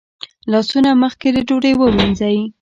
لاسونه مخکې له ډوډۍ ووینځئ